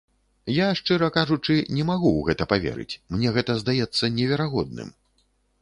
Я, шчыра кажучы, не магу ў гэта паверыць, мне гэта здаецца неверагодным.